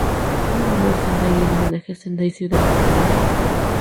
Fue nombrado Sendai en homenaje a Sendai ciudad japonesa.